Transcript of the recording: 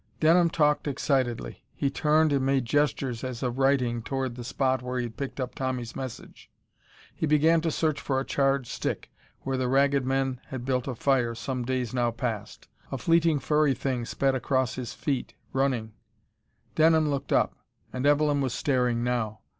Denham talked excitedly. He turned and made gestures as of writing, toward the spot where he had picked up Tommy's message. He began to search for a charred stick where the Ragged Men had built a fire some days now past. A fleeing furry thing sped across his feet, running.... Denham looked up. And Evelyn was staring now.